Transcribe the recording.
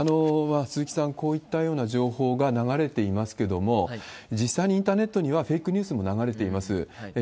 鈴木さん、こういったような情報が流れていますけれども、実際にインターネットにはフェイクニュースも流れています。